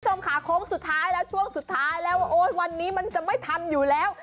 คุณผู้ชมค่ะโค้งสุดท้ายแล้วช่วงสุดท้ายแล้วว่าโอ๊ยวันนี้มันจะไม่ทันอยู่แล้ว